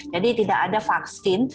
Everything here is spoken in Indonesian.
jadi tidak ada vaksin